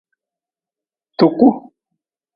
Tuku.